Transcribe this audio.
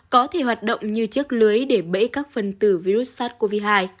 có thể hoạt động như chiếc lưới để bẫy các phần tử virus sars cov hai